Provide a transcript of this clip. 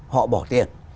họ bỏ tiền